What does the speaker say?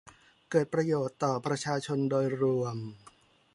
เกิดประโยชน์ต่อประชาชนโดยรวม